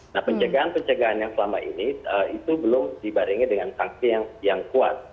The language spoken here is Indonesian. nah pencegahan pencegahan yang selama ini itu belum dibarengi dengan sanksi yang kuat